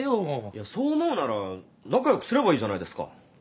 いやそう思うなら仲良くすればいいじゃないですか。